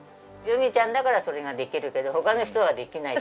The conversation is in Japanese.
由美ちゃんだからそれができるけど他の人はできない。